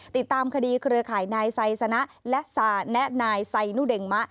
ติดตามคดีเครือข่ายนายไซสนะและแนะนายไซนุเดงมะ